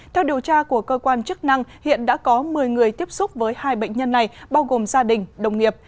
theo điều tra của cơ quan chức năng hiện đã có một mươi người tiếp xúc với hai bệnh nhân này bao gồm gia đình đồng nghiệp